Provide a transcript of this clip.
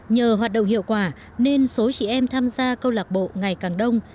nhờ hoạt động hiệu quả nên số chị em tham gia câu lạc bộ ngày càng đông